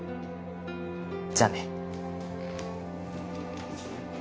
じゃあね。